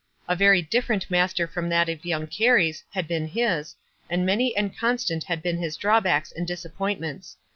A very di lie rent master from that of young Carey's had been his, and many and constant had been his draw backs and disappointments.